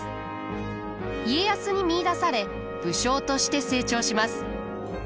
家康に見いだされ武将として成長します。